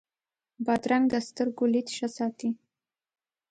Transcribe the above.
بادرنګ د سترګو لید ښه ساتي.